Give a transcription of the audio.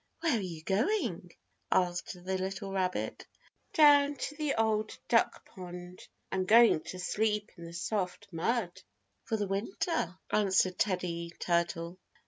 "Where are you going?" asked the little rabbit. "Down to the Old Duck Pond. I'm going to sleep in the soft mud for the winter," answered Teddy Turtle.